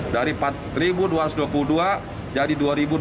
dari empat dua ratus dua puluh dua jadi dua ribu dua puluh